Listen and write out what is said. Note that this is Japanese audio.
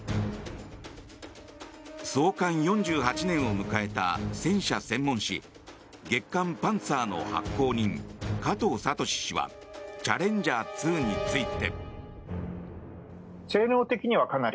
創刊４８年を迎えた戦車専門誌「月刊パンツァー」の発行人加藤聡氏はチャレンジャー２について。